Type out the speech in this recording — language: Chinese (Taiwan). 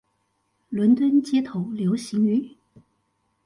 倫敦街頭流行語